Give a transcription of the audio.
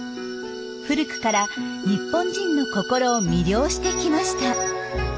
古くから日本人の心を魅了してきました。